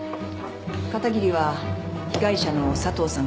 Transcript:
片桐は被害者の佐藤さん